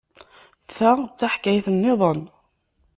Ta d taḥkayt niḍen.